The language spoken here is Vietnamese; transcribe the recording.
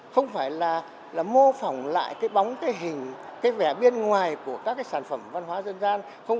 không phải là mô phỏng lại bóng hình vẻ bên ngoài của các sản phẩm văn hóa dân gian